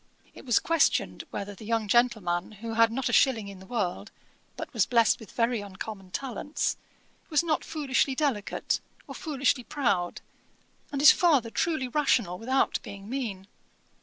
It was questioned whether the young gentleman, who had not a shilling in the world, but was blest with very uncommon talents, was not foolishly delicate, or foolishly proud, and his father truely rational without being mean.